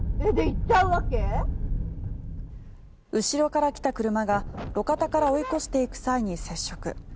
後ろから来た車が路肩から追い越していく際に接触。